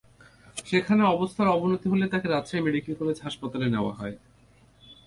সেখানে অবস্থার অবনতি হলে তাকে রাজশাহী মেডিকেল কলেজ হাসপাতালে নেওয়া হয়।